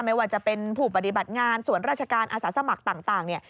ไม่ว่าจะเป็นผู้ปฏิบัติงานส่วนราชการอาสาสมัครต่างเนี่ย